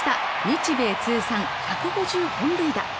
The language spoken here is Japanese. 日米通算１５０本塁打